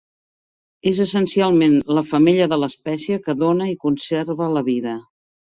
És essencialment la femella de l'espècie que dona i conserva la vida.